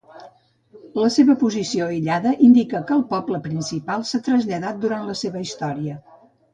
La seva posició aïllada indica que el poble principal s'ha traslladat durant la seva història.